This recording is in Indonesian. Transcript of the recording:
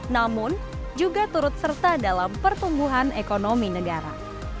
namun juga turut serta dalam pertumbuhan ekonomi negara